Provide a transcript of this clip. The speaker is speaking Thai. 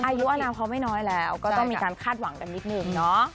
อายุอนามเขาไม่น้อยแล้วก็ต้องมีการคาดหวังกันนิดนึงเนาะ